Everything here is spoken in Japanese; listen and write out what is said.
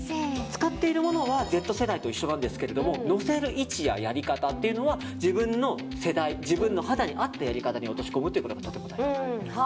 使っているものはＺ世代と一緒なんですがのせる位置ややり方というのは自分の世代、肌に合ったやり方に落とし込むことがとても大事。